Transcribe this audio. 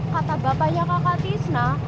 kata bapaknya kakak tisna